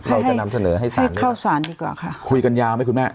เราจะนำเสนอให้สารเข้าสารดีกว่าค่ะคุยกันยาวไหมคุณแม่